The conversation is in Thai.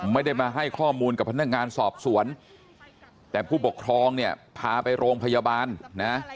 ไม่ได้มาให้ข้อมูลกับพนักงานสอบสวนแต่ผู้ปกครองเนี่ยพาไปโรงพยาบาลนะ